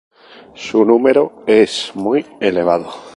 Su número es muy elevado.